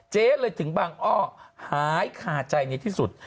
เจ๊เลยถึงบางอ้อหายขาใจในที่สุด